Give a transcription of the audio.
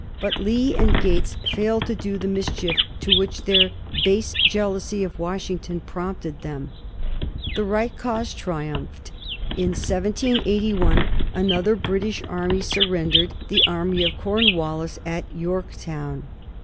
But Lee and Gates failed to do the mischief to which their base jealousy of Washington prompted them. The right cause triumphed. In 1781 another British army surrendered, the army of Cornwallis, at Yorktown.